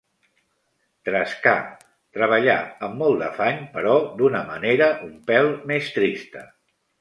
Trescar, treballar amb molt d'afany, però d'una manera un pèl més trista.